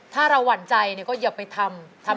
ถ้าเราหวั่นใจก็อย่าไปทำ